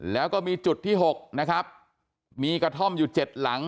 แล้วก็มีจุดที่๖นะครับมีกระท่อมอยู่เจ็ดหลัง